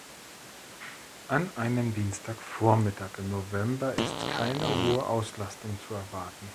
An einem Dienstagvormittag im November ist keine hohe Auslastung zu erwarten.